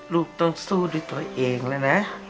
ลูกต้องสู้ด้วยตัวเองแล้วนะ